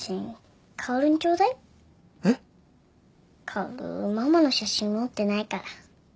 薫ママの写真持ってないから。